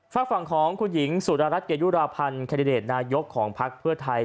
ฝากฝั่งของคุณหญิงสุรรัตน์รัฐเกียรติยุราพันธ์แคดดิเดตนายกของภักดิ์เพื่อไทย